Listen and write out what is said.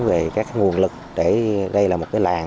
về các nguồn lực để đây là một cái làng